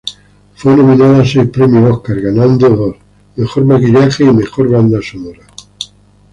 Fue nominada a seis Premios Óscar ganando dos: Mejor maquillaje y Mejor banda sonora.